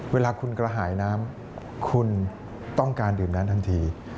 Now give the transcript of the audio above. เวลาคุณกระหายน้ำคุณต้องการดื่มน้ำทันที